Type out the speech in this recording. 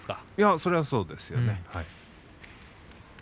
それはそうですよね。